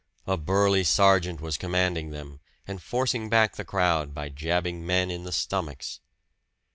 A burly sergeant was commanding them, and forcing back the crowd by jabbing men in the stomachs.